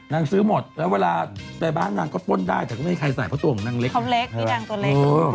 นางซื้อหมดแล้วเวลาไปบ้านล่างก็ต้นได้แต่ก็ไม่มีใครใส่เพราะตัวเหมาะนางเล็ก